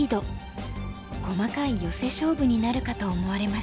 細かいヨセ勝負になるかと思われました。